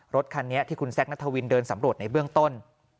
รถคันนี้ที่คุณแซคนัทวินเดินสำรวจในเบื้องต้น